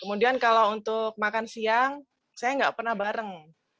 kemudian kalau untuk makan siang saya nggak pernah bareng